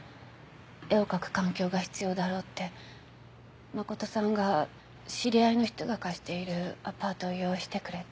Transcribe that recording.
絵を描く環境が必要だろうって誠さんが知り合いの人が貸しているアパートを用意してくれて。